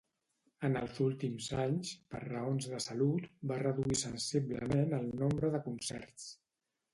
En els últims anys, per raons de salut, va reduir sensiblement el nombre de concerts.